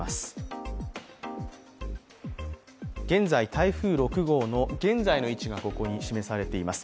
台風６号の現在の位置がここに示されています。